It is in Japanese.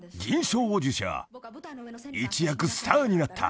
［一躍スターになった］